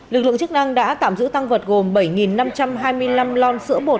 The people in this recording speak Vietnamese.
lực lượng chức năng đã tạm giữ tăng vật gồm bảy năm trăm hai mươi năm lon sữa bột